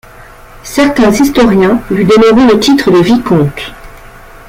Certains historiens lui donneront le titre de vicomte.